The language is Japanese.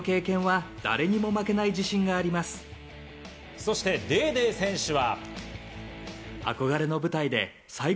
そしてデーデー選手は。